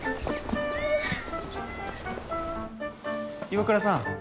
岩倉さん。